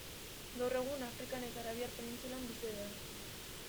Gaur egun Afrikan eta Arabiar Penintsulan bizi dira.